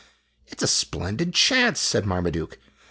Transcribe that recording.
"It 's a splendid chance!" said Marmaduke.